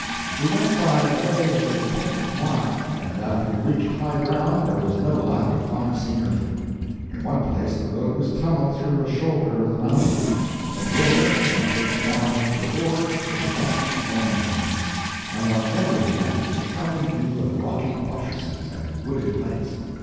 We went by the way of the Tête Noir, and after we reached high ground there was no lack of fine scenery. In one place the road was tunneled through a shoulder of the mountain; from there one looked down into a gorge with a rushing torrent in it, and on every hand was a charming view of rocky buttresses and wooded heights.